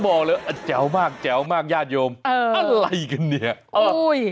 บอกเลยว่าแจ๋วมากแจ๋วมากญาติโยมเอออะไรกันเนี่ยโอ้ย